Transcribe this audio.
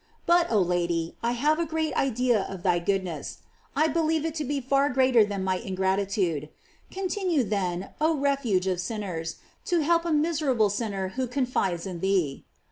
But, oh Lady, I have a great idea of thy goodness; I believe it to be far greater than my ingratitude; continue, then, oh refugeof sinners, to help a miserable sin ner who confides in thee.